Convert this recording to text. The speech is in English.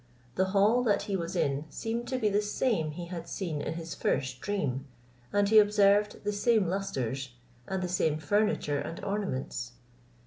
The hall that he was in seemed to be the same he had seen in his first dream, and he observed the same lustres, and the same furniture and ornaments.